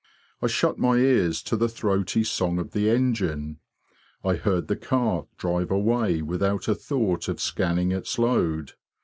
I shut my ears to the throaty song of the engine. I heard the cart drive away without a thought of scanning its load.